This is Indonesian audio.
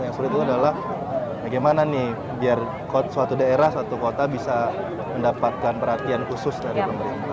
yang sulit itu adalah bagaimana nih biar suatu daerah suatu kota bisa mendapatkan perhatian khusus dari pemerintah